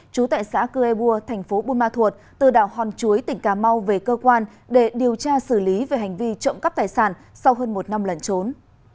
trú tại xã cư ê bua tp bun ma thuột từ đảo hòn chuối tỉnh cà mau về cơ quan để điều tra xử lý về hành vi trộm cắp tài sản sau hơn một năm lần trốn